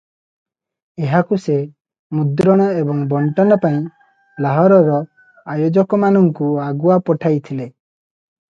ଏହାକୁ ସେ ମୁଦ୍ରଣ ଏବଂ ବଣ୍ଟନ ପାଇଁ ଲାହୋରର ଆୟୋଜକମାନଙ୍କୁ ଆଗୁଆ ପଠାଇଥିଲେ ।